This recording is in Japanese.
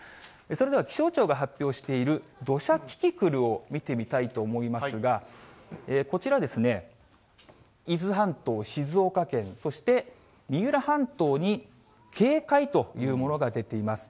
それでは気象庁が発表している土砂キキクルを見てみたいと思いますが、こちらですね、伊豆半島、静岡県、そして三浦半島に警戒というものが出ています。